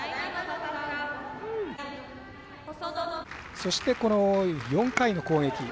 そして、４回の攻撃。